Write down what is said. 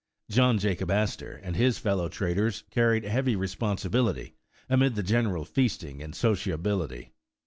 John Jacob Astor and his fellow traders carried heavy responsi bility amid the general feasting and sociability.